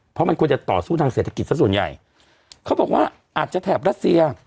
เพราะมันควรจะต่อสู้ทางเศรษฐกิจสักส่วนใหญ่เขาบอกว่าอาจจะแถบรัสเซีย